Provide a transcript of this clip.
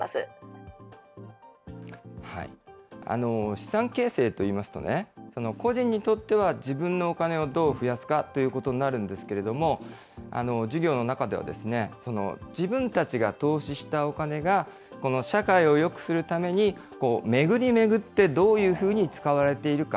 資産形成といいますとね、個人にとっては自分のお金をどう増やすかっていうことになるんですけれども、授業の中では、自分たちが投資したお金が、この社会をよくするために、巡り巡ってどういうふうに使われているか、